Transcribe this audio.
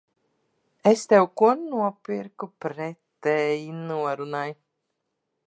Es tev ko nopirku pretēji norunai.